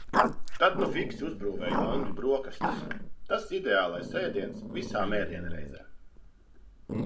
Tad nu fiksi uzbrūvēju angļu brokastis, tas ideālais ēdiens visām ēdienreizēm.